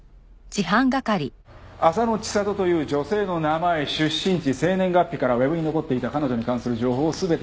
浅野知里という女性の名前出身地生年月日からウェブに残っていた彼女に関する情報を全てさらった。